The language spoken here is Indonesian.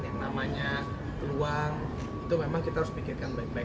yang namanya peluang itu memang kita harus pikirkan baik baik